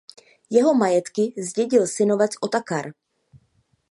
Jeho majetky zdědil synovec Otakar.